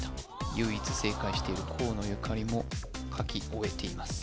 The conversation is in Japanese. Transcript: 唯一正解している河野ゆかりも書き終えています